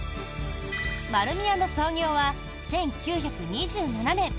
丸美屋の創業は１９２７年。